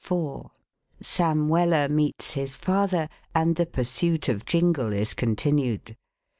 IV SAM WELLER MEETS HIS FATHER, AND THE PURSUIT OF JINGLE IS CONTINUED.